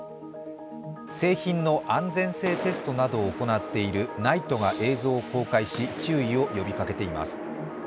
製品の安全性テストなどを行っているＮＩＴＥが映像を公開し、注意を呼びかけています。